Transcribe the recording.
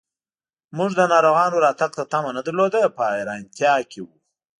موږ د ناروغانو راتګ ته تمه نه درلوده، په حیرانتیا کې و.